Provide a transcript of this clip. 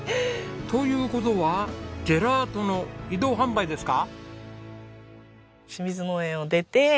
という事はジェラートの移動販売ですか？